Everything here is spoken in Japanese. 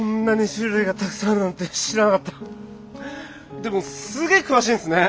でもすげえ詳しいんすね！